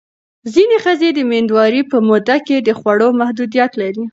ځینې ښځې د مېندوارۍ په موده کې د خوړو محدودیت لري.